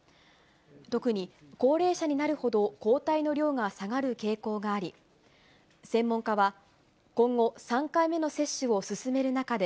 特に高齢者になるほど抗体の量が下がる傾向があり、専門家は、今後３回目の接種を進める中で、